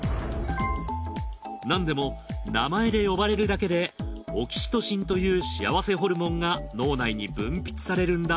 なんでも名前で呼ばれるだけでオキシトシンという幸せホルモンが脳内に分泌されるんだ